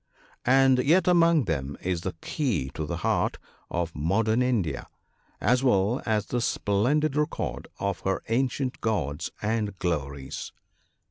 And yet among them is the key to the heart of modern India — as well as the splendid record of her ancient Gods and glories.